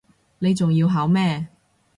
你仲要考咩